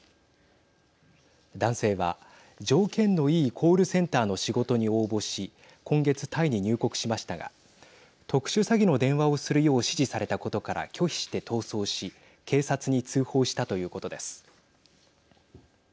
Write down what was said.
男性は、条件のいいコールセンターの仕事に応募し今月タイに入国しましたが特殊詐欺の電話をするよう指示されたことから拒否して逃走し警察に通報したということです。